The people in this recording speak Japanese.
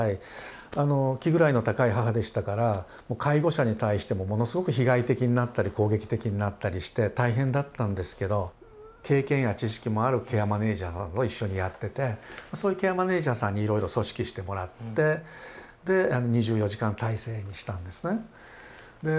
気位の高い母でしたから介護者に対してもものすごく被害的になったり攻撃的になったりして大変だったんですけど経験や知識もあるケアマネージャーさんと一緒にやっててそういうケアマネージャーさんにいろいろ組織してもらってで２４時間体制にしたんですね。